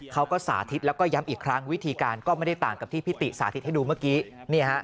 สาธิตแล้วก็ย้ำอีกครั้งวิธีการก็ไม่ได้ต่างกับที่พิติสาธิตให้ดูเมื่อกี้